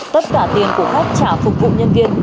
tất cả tiền của khách trả phục vụ nhân viên